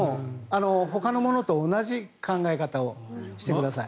ほかのものと同じ考え方をしてください。